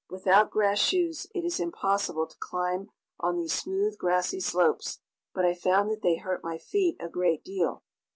Without grass shoes it is impossible to climb on these smooth, grassy slopes; but I found that they hurt my feet a great deal.